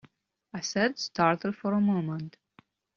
I said, startled for a moment.